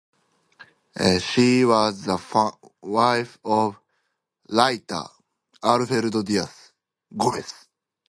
She was the wife of writer Alfredo Dias Gomes.